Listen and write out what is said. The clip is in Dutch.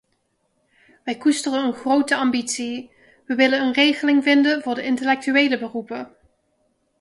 Wij koesteren een grote ambitie: we willen een regeling vinden voor de intellectuele beroepen.